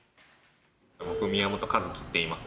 僕は宮本一希っていいます。